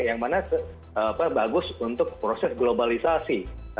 jadi itu adalah perkembangan yang bagus untuk proses globalisasi